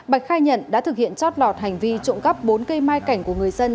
bạch khai nhận đã thực hiện chót lọt hành vi trộm cắp bốn cây mai cảnh của người dân